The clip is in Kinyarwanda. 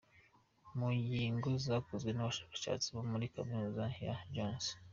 Mu nyigo zakozwe n’abashakashatsi bo muri Kaminuza ya Johns